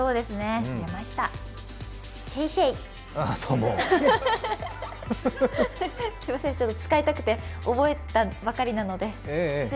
すみません、使いたくて、覚えたばかりなので。